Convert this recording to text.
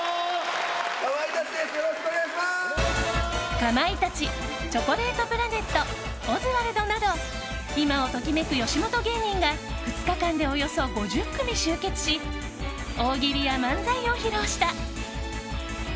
かまいたちチョコレートプラネットオズワルドなど今をときめく吉本芸人が２日間でおよそ５０組集結し大喜利や漫才を披露した。